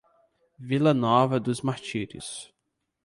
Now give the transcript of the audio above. Vila Nova dos Martírios